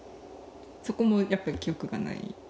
そこもやっぱり記憶がない？